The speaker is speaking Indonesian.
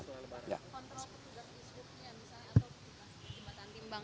kontrol petugas facebooknya misalnya atau dikasih jembatan timbang